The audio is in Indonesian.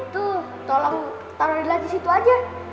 tuh tolong taruh di latih situ aja